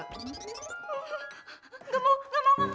gemuk gemuk gemuk